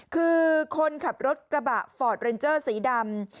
คือคนขับรถกระบะฟอร์ดเรนเจอร์สีดำ